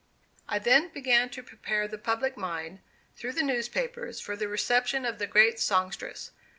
I then began to prepare the public mind, through the newspapers, for the reception of the great songstress.